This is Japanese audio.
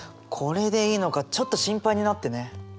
これでいいのかちょっと心配になってね。